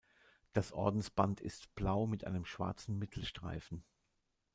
Das Ordensband ist blau mit einem schwarzen Mittelstreifen.